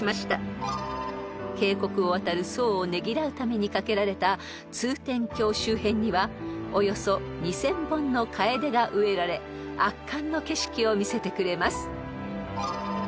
［渓谷を渡る僧をねぎらうために架けられた通天橋周辺にはおよそ２，０００本のカエデが植えられ圧巻の景色を見せてくれます］